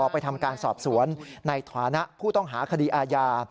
ไปทำการสอบสวนในฐานะผู้ต้องหาคดีอาญา